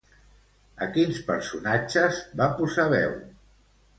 A quins personatges va posar veu?